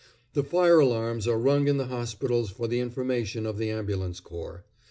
The fire alarms are rung in the hospitals for the information of the ambulance corps.